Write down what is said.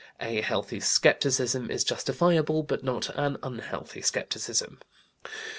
A healthy skepticism is justifiable but not an unhealthy skepticism!"